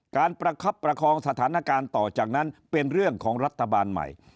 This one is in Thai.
ประคับประคองสถานการณ์ต่อจากนั้นเป็นเรื่องของรัฐบาลใหม่